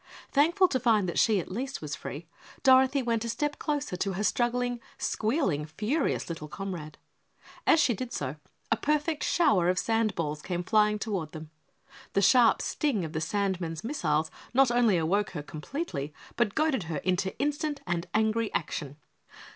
Thankful to find that she at least was free, Dorothy went a step closer to her struggling, squealing, furious little comrade. As she did so, a perfect shower of sand balls came flying toward them. The sharp sting of the sandmen's missiles not only awoke her completely, but goaded her into instant and angry action.